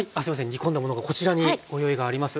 煮込んだものがこちらにご用意があります。